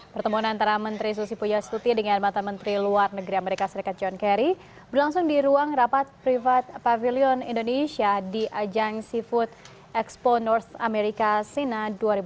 pertemuan antara menteri susi pujastuti dengan mata menteri luar negeri amerika serikat john kerry berlangsung di ruang rapat privat pavilion indonesia di ajang seafood expo nors amerika china dua ribu dua puluh